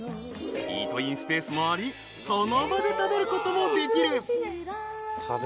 ［イートインスペースもありその場で食べることもできる］